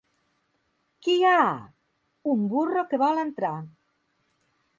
Qui hi ha? / —Un burro que vol entrar.